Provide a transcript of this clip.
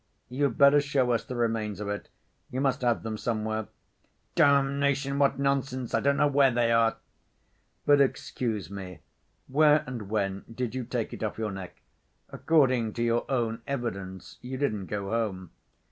"You'd better show us the remains of it. You must have them somewhere." "Damnation, what nonsense! I don't know where they are." "But excuse me: where and when did you take it off your neck? According to your own evidence you didn't go home."